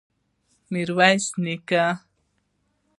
ميرويس نيکه!